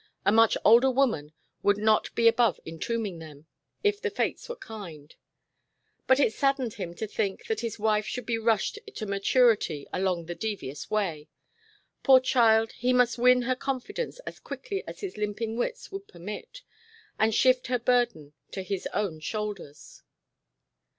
A much older woman would not be above entombing them, if the fates were kind. But it saddened him to think that his wife should be rushed to maturity along the devious way. Poor child, he must win her confidence as quickly as his limping wits would permit and shift her burden to his own shoulders.